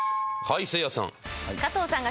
はいせいやさん。